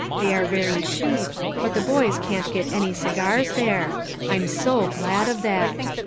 They are very cheap, but the boys can't get any cigars there ; Fm so glad of that.